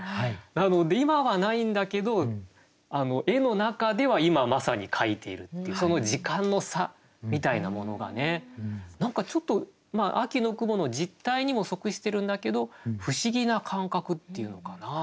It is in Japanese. なので今はないんだけど絵の中では今まさに描いているっていうその時間の差みたいなものが何かちょっと秋の雲の実態にも即してるんだけど不思議な感覚っていうのかな。